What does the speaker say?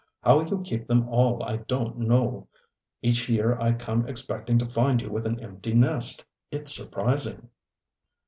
How you keep them all I donŌĆÖt know. Each year I come expecting to find you with an empty nest. ItŌĆÖs surprising.